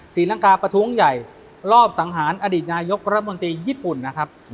ศรีลังกาประท้วงใหญ่รอบสังหารอดีตนายกรัฐมนตรีญี่ปุ่นนะครับ